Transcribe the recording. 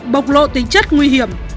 bộc lộ tính chất nguy hiểm